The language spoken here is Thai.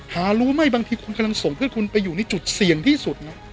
หารู้ไหมบางทีคุณกำลังส่งเพื่อนคุณไปอยู่ในจุดเสี่ยงที่สุดนะ